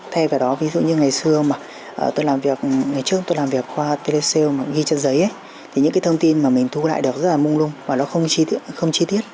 thay vào đó ví dụ như ngày xưa mà tôi làm việc ngày trước tôi làm việc qua telecell mà ghi trên giấy thì những cái thông tin mà mình thu lại được rất là mung lung và nó không chi tiết